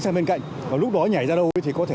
sang bên cạnh và lúc đó nhảy ra đâu thì có thể